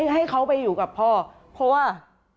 ให้เขาไปอยู่กับพ่อเพราะว่า